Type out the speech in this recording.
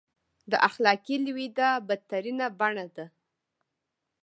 د اخلاقي لوېدا بدترینه بڼه ده.